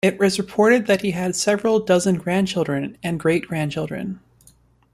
It was reported that he had several dozen grandchildren and great-grandchildren.